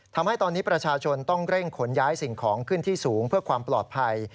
ทำให้ตอนนี้ประชาชนต้องเร่งขนย้ายสิ่งของขึ้นที่สูงเพื่อความปลอดภัย